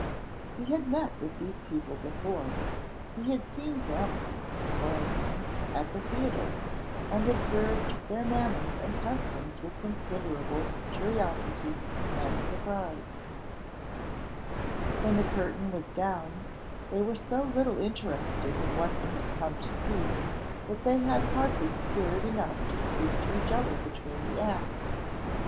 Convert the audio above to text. He had met with these people before. He had seen them (for instance) at the theatre, and observed their manners and customs with considerable curiosity and surprise. When the curtain was down, they were so little interested in what they had come to see, that they had hardly spirit enough to speak to each other between the acts.